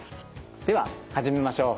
では始めましょう。